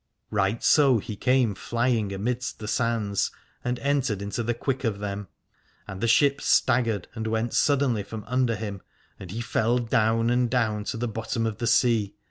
Right so he came flying amidst the Sands and entered into the quick of them : and the ship staggered and went suddenly from under him, and he fell down and down to the bottom of the sea.